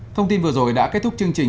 thông tin vừa rồi đã kết thúc chương trình